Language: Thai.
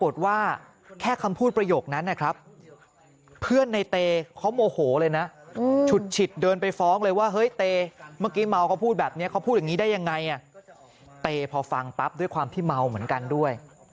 เตพอฟังปั๊บด้วยความที่เมาเหมือนกันด้วย